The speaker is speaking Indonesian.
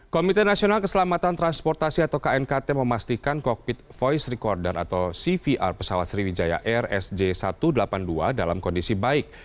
komite nasional keselamatan transportasi atau knkt memastikan kokpit voice recorder atau cvr pesawat sriwijaya air sj satu ratus delapan puluh dua dalam kondisi baik